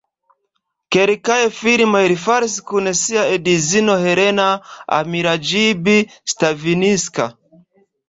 Kelkaj filmoj li faris kun sia edzino Helena Amiraĝibi-Stavinska.